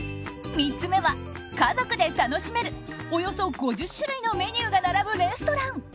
３つ目は家族で楽しめるおよそ５０種類のメニューが並ぶレストラン。